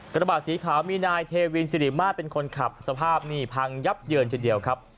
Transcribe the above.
กระบาดสีขาวมีนายเทวินสิริมาตรเป็นคนขับสภาพนี่พังยับเยินทีเดียวครับ